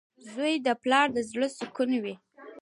• زوی د پلار د زړۀ سکون وي.